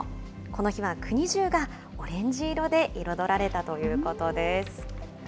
この日は国中が、オレンジ色で彩られたということです。